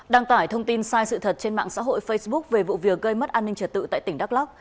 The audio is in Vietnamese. đăng tải thông tin sai sự thật trên mạng xã hội facebook về vụ việc gây mất an ninh trật tự tại tỉnh đắk lắc